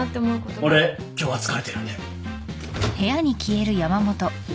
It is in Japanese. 俺今日は疲れてるんで。